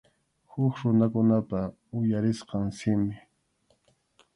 Huk runakunapa uyarisqan simi.